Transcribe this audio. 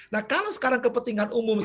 nah kalau sekarang kepentingan umum